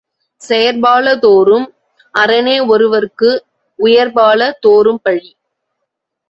செயற்பால தோரும் அறனேஒருவற்கு உயற்பால தோரும் பழி.